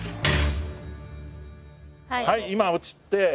はい今落ちて。